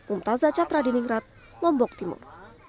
umtazah catra diningrat lombok timur